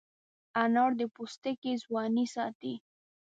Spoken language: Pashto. انار د پوستکي ځوانۍ ساتي.